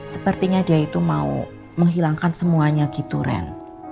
sepertinya dia itu mau menghilangkan semuanya gitu ren